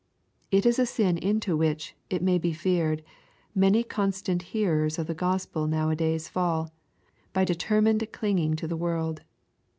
It is a sin into which, it may be feared, many constant hearers of the Gospel now B days fall, by determined clinging to the world.